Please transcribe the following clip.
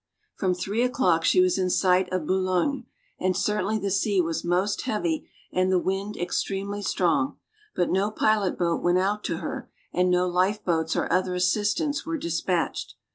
From three o'clock she was in sight of Boulogne, and certainly the sea was most heavy and the wind extremely strong; but no pilot boat went out to her, and no life boats or other assistance were dispatched.